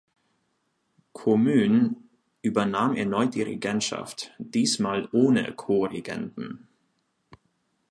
Comyn übernahm erneut die Regentschaft, diesmal ohne Ko-Regenten.